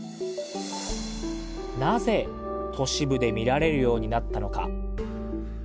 なぜ都市部で見られるようになったのか？